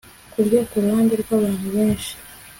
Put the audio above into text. kurya kuruhande rwabantu benshi